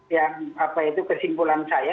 yang apa itu kesimpulan saya